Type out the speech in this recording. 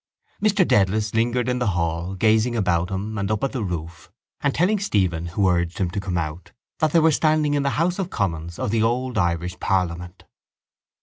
Mr Dedalus lingered in the hall gazing about him and up at the roof and telling Stephen, who urged him to come out, that they were standing in the house of commons of the old Irish parliament.